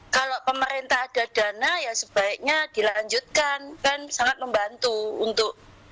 bayangkan mungkin ini sangat membantu